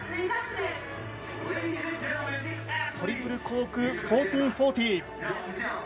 トリプルコーク１４４０。